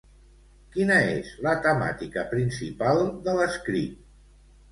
Quina és la temàtica principal de l'escrit?